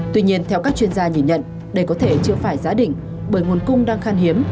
tuy nhiên theo các chuyên gia nhìn nhận đây có thể chưa phải giá định bởi nguồn cung đang khan hiếm